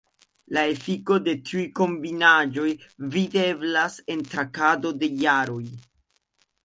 La efikoj de tiuj kombinaĵoj videblas en traktado de jaroj.